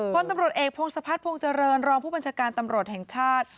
พลตำรวจเอกพงศพัฒนภงเจริญรองผู้บัญชาการตำรวจแห่งชาติ